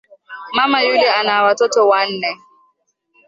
Mama yule ana watoto wanne